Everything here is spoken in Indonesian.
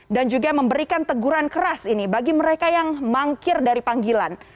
dan juga memberikan teguran keras ini bagi mereka yang mangkir dari panggilan